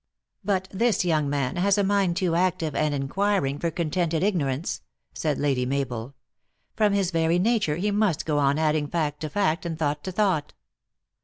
u But this young man has a mind too active and enquiring for contented ignorance," said Lady Mabel . "From his very nature he must go on adding fact to fact, and thought to thought."